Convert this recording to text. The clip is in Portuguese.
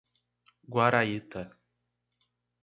Guaraíta